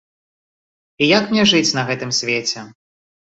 І як мне жыць на гэтым свеце?